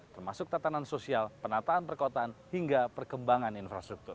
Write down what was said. termasuk tatanan sosial penataan perkotaan hingga perkembangan infrastruktur